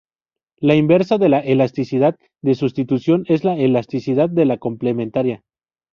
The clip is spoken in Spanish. La inversa de la elasticidad de sustitución es la elasticidad de la complementaria.